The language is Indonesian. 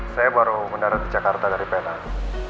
saya baru mendarat di jakarta dari penang